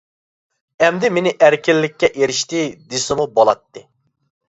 ئەمدى مېنى ئەركىنلىككە ئېرىشتى، دېسىمۇ بولاتتى.